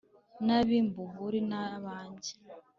n’ab’imbumburi ni abanjye